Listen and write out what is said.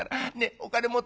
お金持ってって」。